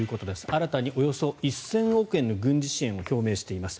新たにおよそ１０００億円の軍事支援を表明しています。